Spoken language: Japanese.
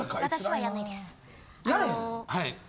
はい。